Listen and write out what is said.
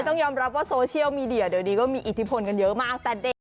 ต้องยอมรับว่าโซเชียลมีเดียเดี๋ยวนี้ก็มีอิทธิพลกันเยอะมากแต่เด็ก